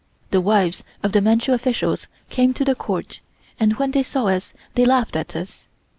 The wives of the Manchu officials came to the Court, and when they saw us they laughed at us.